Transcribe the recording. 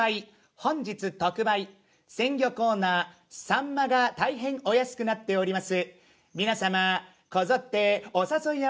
「本日特売」「鮮魚コーナーサンマが大変お安くなっております」